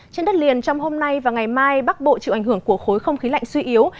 trên đất liền trong hôm nay và ngày mai bắc bộ chịu ảnh hưởng của khối không khí lạnh suy yếu